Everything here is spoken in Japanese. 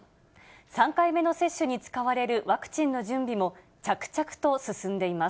３回目の接種に使われるワクチンの準備も着々と進んでいます。